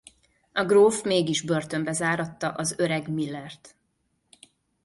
A gróf mégis börtönbe záratta az öreg Millert.